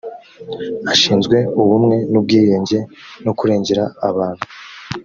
ashinzwe ubumwe n ubwiyunge no kurengera abantu